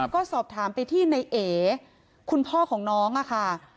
ก็สอบถามไปที่ในเอคุณพ่อของน้องค่ะ